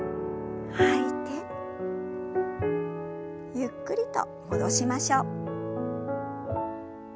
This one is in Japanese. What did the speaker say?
ゆっくりと戻しましょう。